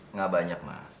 enggak banyak ma